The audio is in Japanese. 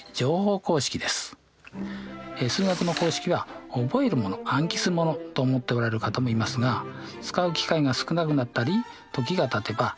数学の公式は覚えるもの暗記するものと思っておられる方もいますが使う機会が少なくなったり時がたてば誰でも忘れるものです。